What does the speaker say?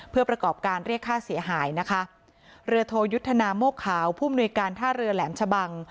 เพื่อประกอบการเรียกค่าเสียหายนะคะเรือโทยุทธนาโมกขาวผู้มนุยการท่าเรือแหลมชะบัง